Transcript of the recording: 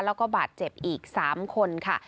แล้วก็บาดเจ็บอีก๓คนค่ะ